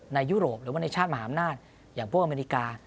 ยุโรปหรือว่าในชาติมหาอำนาจอย่างพวกอเมริกา